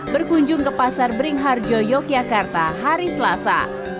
berkunjung ke pasar beringharjo yogyakarta hari selasa